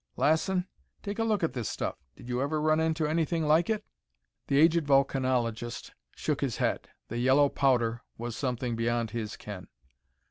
Lassen, take a look at this stuff. Did you ever run into anything like it?" The aged volcanologist shook his head. The yellow powder was something beyond his ken.